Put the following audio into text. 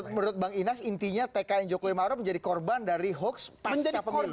jadi menurut bang inas tkn jokowi maura menjadi korban dari hoax pasca pemilu